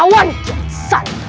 tak bisa disonginasikan dengan penjera